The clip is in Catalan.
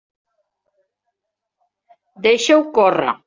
Deixa-ho córrer.